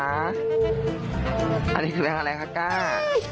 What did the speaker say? อันนี้คือแบงค์อะไรคะก้า